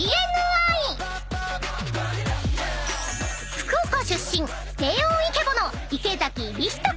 ［福岡出身低音イケボの］